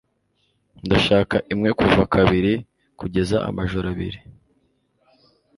Ndashaka imwe kuva kabiri kugeza amajoro abiri